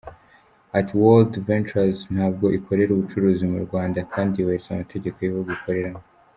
Ati “World Ventures ntabwo ikorera ubucuruzi mu Rwanda kandi yubahiriza amategeko y’ibihugu ikoreramo.